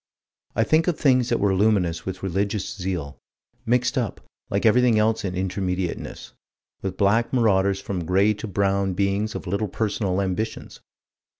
I think of things that were luminous with religious zeal, mixed up, like everything else in Intermediateness, with black marauders and from gray to brown beings of little personal ambitions.